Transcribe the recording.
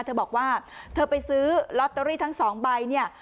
เธอบอกว่าเธอไปซื้อลอตเตอรี่ทั้งสองใบเนี่ย